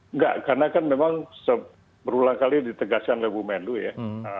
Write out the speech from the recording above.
enggak karena kan memang berulang kali ditegaskan legumen dulu ya